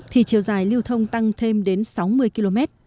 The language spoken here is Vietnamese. thì chiều dài lưu thông tăng thêm đến sáu mươi km